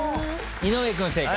井上君正解。